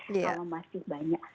kalau masih banyak